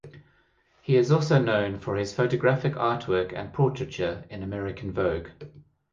He is also known for his photographic artworks and portraiture in American Vogue.